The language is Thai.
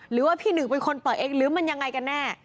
หรือว่าพี่หนึ่งเป็นคนเปิดเองหรือมันยังไงกันแน่